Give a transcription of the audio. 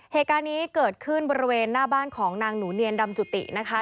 เหตุการณ์นี้เกิดขึ้นบริเวณหน้าบ้านของนางหนูเนียนดำจุตินะคะ